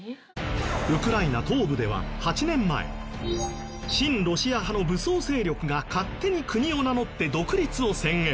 ウクライナ東部では８年前親ロシア派の武装勢力が勝手に国を名乗って独立を宣言。